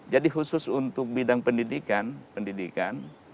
jadi khusus untuk bidang pendidikan pendidikan